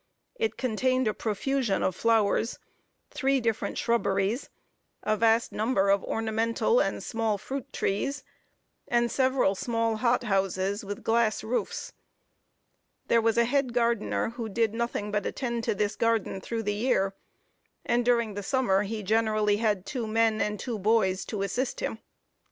It contained a profusion of flowers, three different shrubberies, a vast number of ornamental and small fruit trees, and several small hot houses, with glass roofs. There was a head gardener, who did nothing but attend to this garden through the year; and during the summer he generally had two men and two boys to assist him.